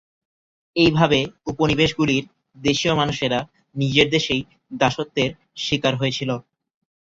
এইভাবে উপনিবেশগুলির দেশীয় মানুষেরা নিজের দেশেই দাসত্বের শিকার হয়েছিল।